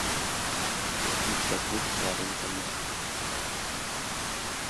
“Yuksaklik sari intilmoq”